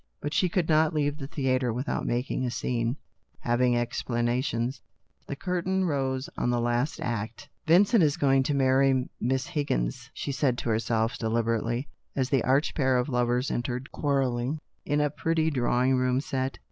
But she could not leave the theatre without making a scene, having explanations. The curtain rose on the last act. " Vincent is going to marry Miss Higgins," she said to herself deliberately, as the arch pair of lovers entered quarrelling in a drawing room set.